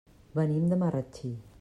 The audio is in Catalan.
Venim de Marratxí.